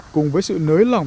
cùng với sự nới lỏng